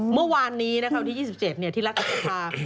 เมื่อวานนี้นะครับวันที่๒๗ที่รัฐกรรมการปฏิรูปประเทศ